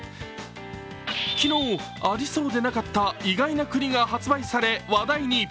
昨日、ありそうでなかった意外な国が発売され、話題に。